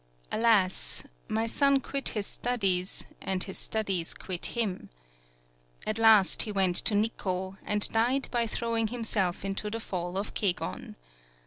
Alas! my son quit his studies and his studies quit him. At last he went to Nikkwo, and died by throwing himself into the fall of Kegon.